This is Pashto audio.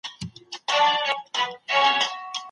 زخمونه باید په ډېر صبر او حوصلې سره تېر کړل شي.